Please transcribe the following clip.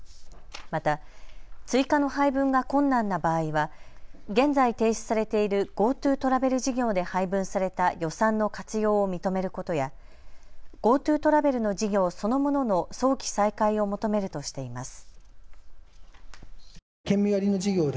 また、追加の配分が困難な場合は現在、停止されているＧｏＴｏトラベル事業で配分された予算の活用を認めることやＧｏＴｏトラベルの事業そのものの早期再開を求めるとしています。